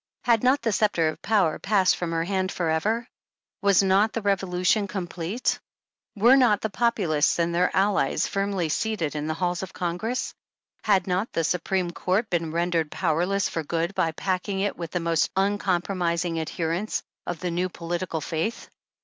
Had not the sceptre of power passed from her hand forever? Was not the Revolution com plete ? Were not the Populists and their allies firmly seated in the Halls of Congress? Had not the Su preme Court been rendered powerless for good by packing it with the most uncompromising adherents of the new political faith?